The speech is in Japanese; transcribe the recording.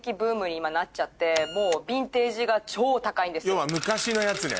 要は昔のやつね。